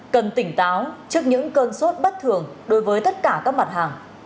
cần tỉnh táo trước những cơn sốt bất thường đối với tất cả các mặt hàng